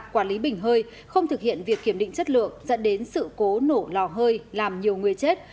quản lý bình hơi không thực hiện việc kiểm định chất lượng dẫn đến sự cố nổ lò hơi làm nhiều người chết